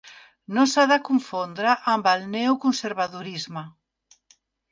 No s'ha de confondre amb el neoconservadorisme.